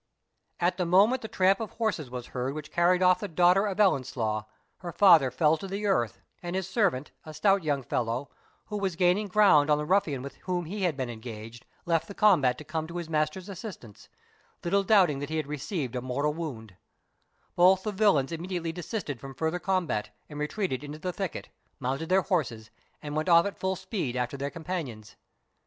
At the moment the tramp of horses was heard which carried off the daughter of Ellieslaw, her father fell to the earth, and his servant, a stout young fellow, who was gaining ground on the ruffian with whom he had been engaged, left the combat to come to his master's assistance, little doubting that he had received a mortal wound, Both the villains immediately desisted from farther combat, and, retreating into the thicket, mounted their horses, and went off at full speed after their companions.